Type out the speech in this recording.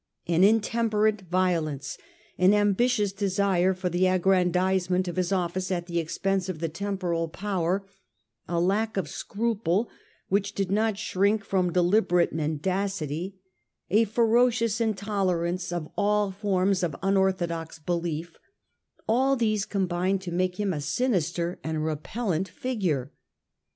An intemperate violence, an ambitious desire for the aggrandisement of his office at the expense of the temporal power, a lack of scruple which did not shrink from deliberate mendacity, a ferocious intolerance 76 THE FIRST EXCOMMUNICATION 77 of all forms of unorthodox belief, all these combined to make him a sinister and repellent figure.